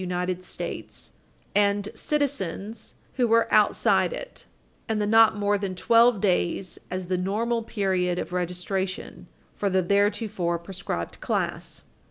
United States, supra, and citizens who were outside it, and the not more than 12 days as the normal period of registration for the theretofore proscribed class.